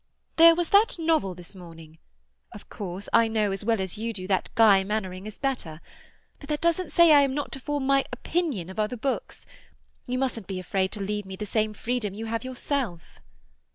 "There was that novel this morning. Of course I know as well as you do that "Guy Mannering" is better; but that doesn't say I am not to form my opinion of other books. You mustn't be afraid to leave me the same freedom you have yourself."